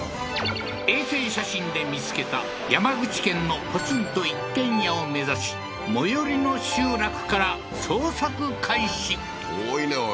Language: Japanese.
衛星写真で見つけた山口県のポツンと一軒家を目指し最寄りの集落から捜索開始遠いねおい